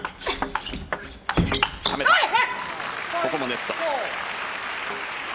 ここもネット。